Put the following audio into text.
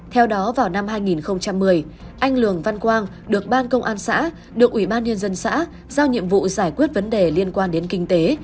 theo đó vào năm hai nghìn một mươi anh lường văn quang được ban công an xã được ủy ban nhân dân xã giao nhiệm vụ giải quyết vấn đề liên quan đến kinh tế